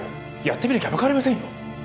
やってみなきゃわかりませんよ。